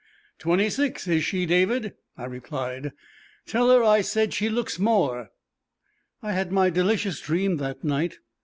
"Twenty six, is she, David?" I replied. "Tell her I said she looks more." I had my delicious dream that night.